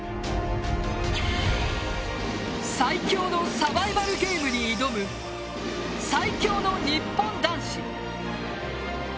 最凶のサバイバルゲームに挑む最強の日本男子。